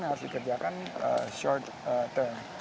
harus dikerjakan short term